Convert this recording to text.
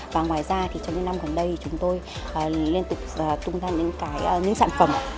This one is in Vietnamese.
và ngoài ra thì trong những năm gần đây chúng tôi liên tục tung ra những sản phẩm